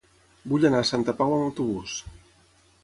Vull anar a Santa Pau amb autobús.